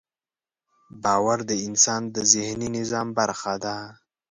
باور د انسان د ذهني نظام برخه ده.